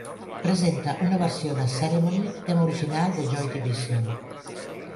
Presenta una versió de "Ceremony", tema original de Joy Division.